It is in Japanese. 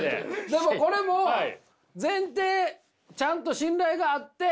でもこれも前提ちゃんと信頼があって。